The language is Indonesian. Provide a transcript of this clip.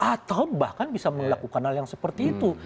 atau bahkan bisa melakukan hal yang seperti itu